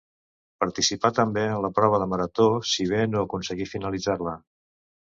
Participà també en la prova de marató, si bé no aconseguí finalitzar-la.